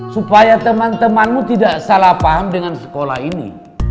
supaya teman temanmu tidak salah paham dengan sekolah ini